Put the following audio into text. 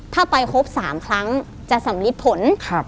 ถ้าไปครบ๓ครั้งจะสำลิดผล